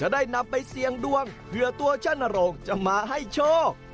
ได้นำไปเสี่ยงดวงเผื่อตัวชะนโรงจะมาให้โชค